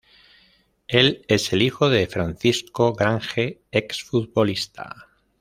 Él es el hijo de Francisco Grange, ex futbolista.